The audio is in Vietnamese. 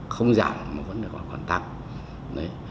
không giảm mà vẫn còn tặng